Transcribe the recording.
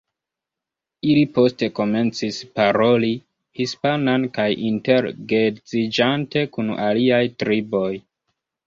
Ili poste komencis paroli hispanan kaj inter-geedziĝante kun aliaj triboj.